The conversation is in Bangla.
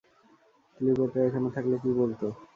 ক্লিওপেট্রা এখানে থাকলে কী বলত?